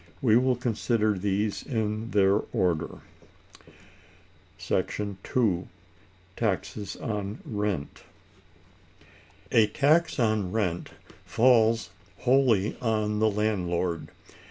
We will consider these in their order. § 2. Taxes on rent. A tax on rent falls wholly on the landlord.